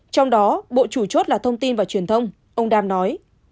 trong đó bộ chủ chốt là thông tin và truyền thông ông đam nói